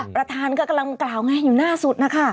ประธานก็กำลังกล่าวไงอยู่หน้าสุดนะคะ